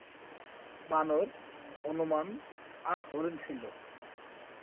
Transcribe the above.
বানর, হনুমান আর হরিণ ছিল।